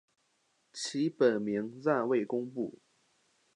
其本名暂未公布。